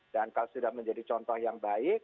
dan kalau sudah menjadi contoh yang baik